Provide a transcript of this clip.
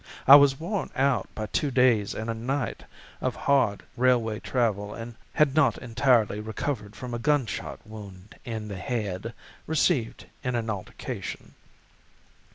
I was worn out by two days and a night of hard railway travel and had not entirely recovered from a gunshot wound in the head, received in an altercation.